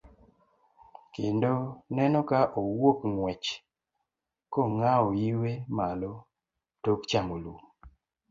Kendo neno ka owuok ng'wech, kong'awo iwe malo tok chamo lum.